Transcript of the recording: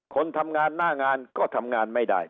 คนทำงานหน้างานก็ทำงานไม่ได้